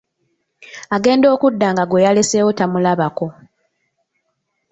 Agenda okudda nga gweyaleseewo tamulabako!